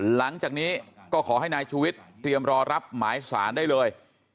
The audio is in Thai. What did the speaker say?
หลังจากนี้ก็ขอให้นายชูวิทย์เตรียมรอรับหมายสารได้เลย